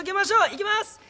いきます！